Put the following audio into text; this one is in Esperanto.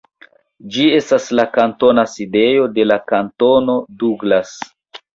Ĝi estas la kantona sidejo de la kantono Douglas.